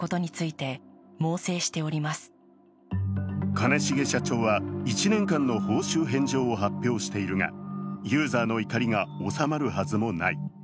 兼重社長は１年間の報酬返上を発表しているがユーザーの怒りが収まるはずもない。